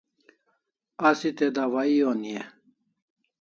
Asi te dawai oni e?